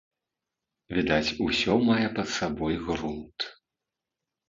Відаць, усё мае пад сабой грунт.